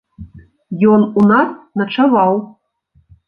Ён у нас начаваў.